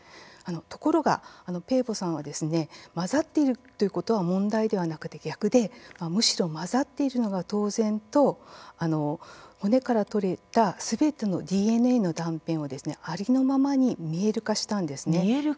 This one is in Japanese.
ところが、ペーボさんはですね混ざっているということは問題ではなくて、逆でむしろ混ざっているのが当然と骨から取れたすべてのＤＮＡの断片をありのままに「見える化」したんですね。